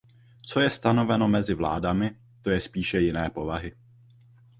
Co je stanoveno mezi vládami, to je spíše jiné povahy.